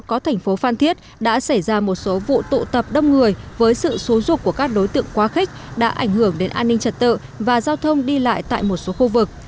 có thành phố phan thiết đã xảy ra một số vụ tụ tập đông người với sự xú dục của các đối tượng quá khích đã ảnh hưởng đến an ninh trật tự và giao thông đi lại tại một số khu vực